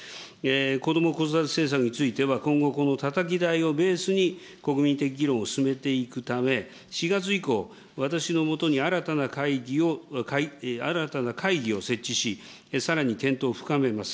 子ども・子育て政策については、今後、このたたき台をベースに国民的議論を進めていくため、４月以降、私のもとに新たな会議を、新たな会議を設置し、さらに検討を深めます。